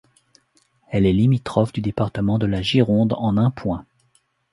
Elle est limitrophe du département de la Gironde en un point.